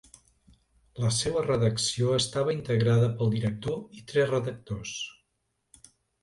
La seua redacció estava integrada pel director i tres redactors.